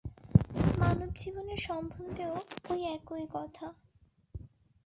মানব জীবনের সম্বন্ধেও ঐ একই কথা।